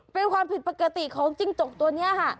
เป็นความผิดปกติของจิ้งจกตัวนี้ค่ะ